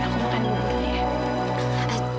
aku makan dulu ya